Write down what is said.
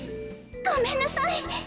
「ごめんなさい」。